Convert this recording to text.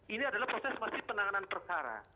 ini adalah proses masih penanganan perkara